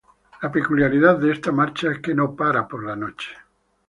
La peculiaridad de esta marcha es que no para por la noche.